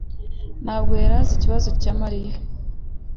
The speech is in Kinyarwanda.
ntabwo yari azi ikibazo cya Mariya.